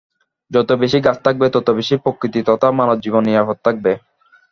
যত বেশি গাছ থাকবে, তত বেশি প্রকৃতি তথা মানবজীবন নিরাপদ থাকবে।